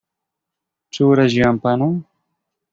"Czy uraziłam pana?"